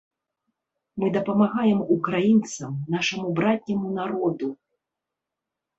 Мы дапамагаем украінцам, нашаму братняму народу.